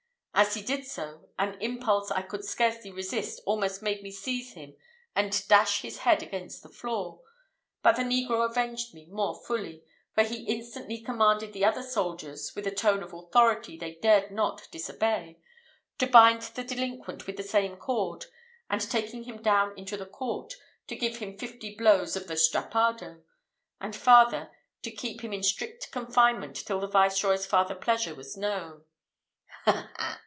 As he did so, an impulse I could scarcely resist almost made me seize him and dash his head against the floor; but the negro avenged me more fully, for he instantly commanded the other soldiers, with a tone of authority they dared not disobey, to bind the delinquent with the same cord, and taking him down into the court, to give him fifty blows of the strappado, and farther, to keep him in strict confinement till the Viceroy's farther pleasure was known. "Ha, ha, ha!"